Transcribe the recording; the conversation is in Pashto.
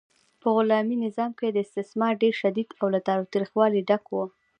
په غلامي نظام کې استثمار ډیر شدید او له تاوتریخوالي ډک و.